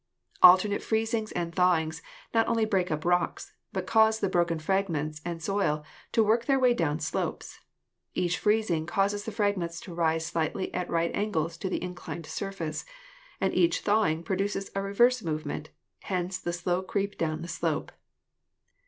Alternate freezings and thawings not only break up rocks, but cause the broken fragments and soil to work their way down slopes. Each freezing causes the fragments to rise slightly at right angles to the inclined surface, and each thawing produces a reverse movement; hence the slow creep down the slope.